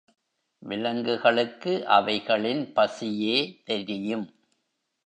விலங்குகளுக்கு அவைகளின் பசியே தெரியும்.